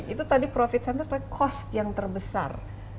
itu tadi profit center tapi cost yang terbesar